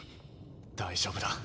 大丈夫だ。